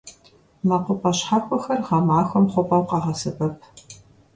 МэкъупӀэ щхьэхуэхэр гъэмахуэм хъупӀэу къагъэсэбэп.